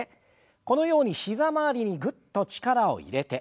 このように膝周りにぐっと力を入れて。